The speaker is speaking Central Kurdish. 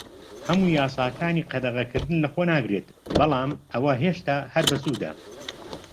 هەموو یاساکانی قەدەغەکردن لەخۆ ناگرێت، بەڵام ئەوە هێشتا هەر بەسوودە.